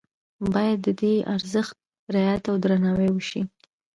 باید د دې ارزښت رعایت او درناوی وشي.